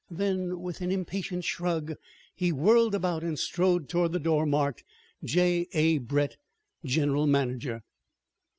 Then, with an impatient shrug, he whirled about and strode toward the door marked "J. A. Brett, General Manager."